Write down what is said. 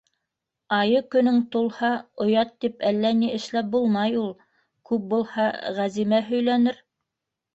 Айы-көнөң тулһа, оят тип әллә ни эшләп булмай ул. Күп булһа, Ғәзимә һөйләнер.